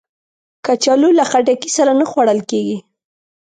کچالو له خټکی سره نه خوړل کېږي